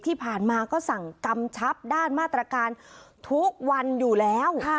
ที่ผ่านมาก็สั่งกำชับด้านมาตรการทุกวันอยู่แล้ว